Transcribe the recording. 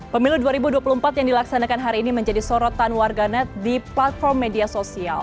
pemilu dua ribu dua puluh empat yang dilaksanakan hari ini menjadi sorotan warga net di platform media sosial